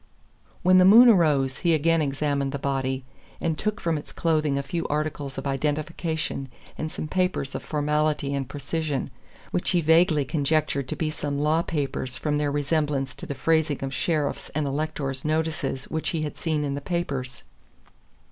When the moon arose he again examined the body, and took from its clothing a few articles of identification and some papers of formality and precision, which he vaguely conjectured to be some law papers from their resemblance to the phrasing of sheriffs' and electors' notices which he had seen in the papers.